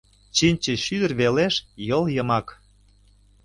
Чинче шӱдыр велеш йол йымак.